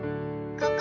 ここ！